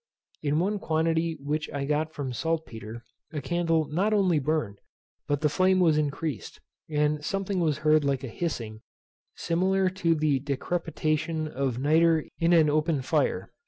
In one quantity which I got from saltpetre a candle not only burned, but the flame was increased, and something was heard like a hissing, similar to the decrepitation of nitre in an open fire.